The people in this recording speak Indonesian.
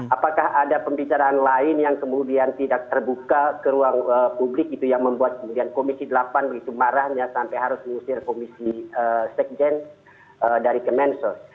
apakah ada pembicaraan lain yang kemudian tidak terbuka ke ruang publik yang membuat komisi delapan marahnya sampai harus mengusir komisi sekjen dari ke mensos